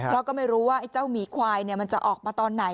แล้วก็ไม่รู้ว่าไอ้เจ้าหมีควายมันจะออกมาตอนไหน